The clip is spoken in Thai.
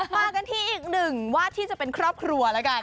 มากันที่อีกหนึ่งวาดที่จะเป็นครอบครัวแล้วกัน